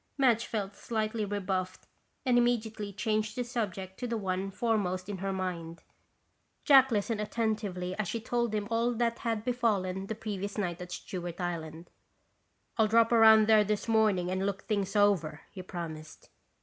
Madge felt slightly rebuffed and immediately changed the subject to the one foremost in her mind. Jack listened attentively as she told him all that had befallen the previous night at Stewart Island. "I'll drop around there this morning and look things over," he promised.